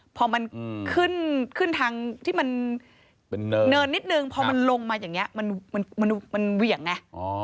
พอมันขึ้นขึ้นทางที่มันเนินนิดนึงพอมันลงมาอย่างนี้มันเหวี่ยงไง